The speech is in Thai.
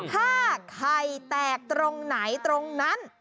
ถ้าไข่แตกตรงไหนตรงนั้น